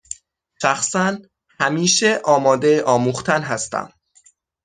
شخصا همیشه آماده آموختن هستم